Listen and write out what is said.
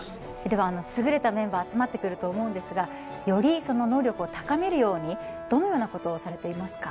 では優れたメンバー集まってくると思うんですがよりその能力を高めるようにどのようなことをされていますか？